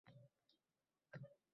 Gulzorlarga bordim men sensiz.